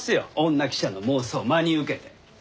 女記者の妄想真に受けて。